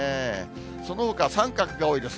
そのほか三角が多いです。